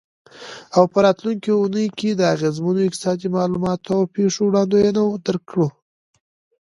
او په راتلونکې اونۍ کې د اغیزمنو اقتصادي معلوماتو او پیښو وړاندوینه درکړو.